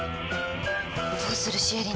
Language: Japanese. どうするシエリ。